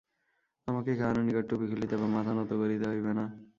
আমাকে কাহারও নিকট টুপি খুলিতে বা মাথা নত করিতে হইবে না।